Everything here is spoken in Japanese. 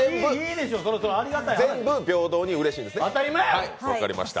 全部平等にうれしいんですね、分かりました。